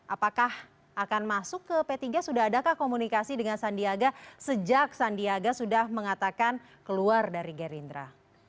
apakah akan masuk ke p tiga sudah adakah komunikasi dengan sandiaga sejak sandiaga sudah mengatakan keluar dari gerindra